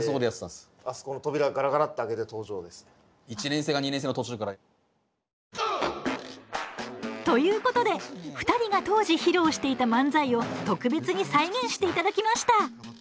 １年生か２年生の途中から。ということで２人が当時披露していた漫才を特別に再現して頂きました！